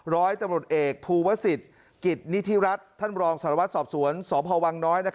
ร้อยตะบนอดเอกภูวศิษฐ์กิจนิทิรัติท่านบรองสารวัตรสอบสวนสพวังน้อย